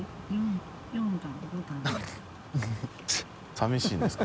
寂しいんですか？